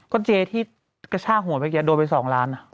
ก็เจที่กระชากหัวไปเกี๊ยวโดนไป๒ล้าน